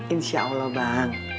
insya allah bang